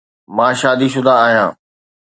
مان شادي شده آهيان.